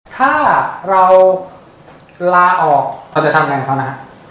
ถ้าเราลาออกเราจะทำยังไงกับเขานะ